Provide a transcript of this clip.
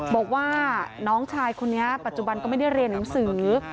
บอกว่าน้องชายคนนี้ปัจจุบันก็ไม่ได้เรียนหนังสือ